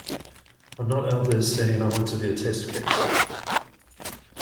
I'm not out there saying I want to be the test case.